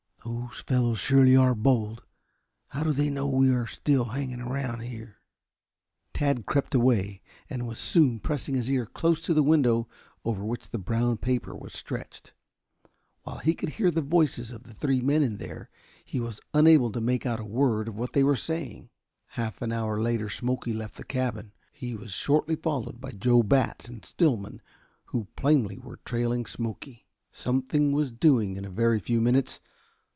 Those fellows surely are bold. How do they know but we are still hanging around here?" Tad crept away and was soon pressing his ear close to the window over which the brown paper was stretched. While he could hear the voices of the three men in there, he was unable to make out a word of what they were saying. Half an hour later Smoky left the cabin. He was shortly followed by Joe Batts and Stillman, who plainly were trailing Smoky. Something was doing in a very few minutes.